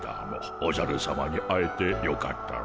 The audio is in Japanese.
おじゃるさまに会えてよかったモ。